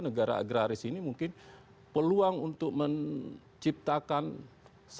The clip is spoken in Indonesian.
negara agraris ini mungkin peluang untuk menciptakan stabilitas